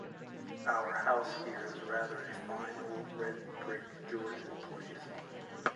Our house here is rather a fine old red brick Georgian place.